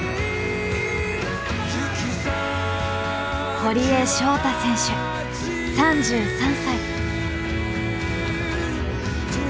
堀江翔太選手３３歳。